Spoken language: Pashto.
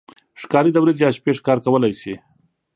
ښکاري د ورځې یا شپې ښکار کولی شي.